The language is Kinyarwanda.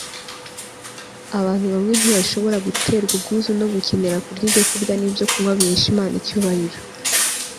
abantu bamwe ntibashobora guterwa ubwuzu no gukenera kurya ibyokurya n'ibyokunywa bihesha imana icyubahiro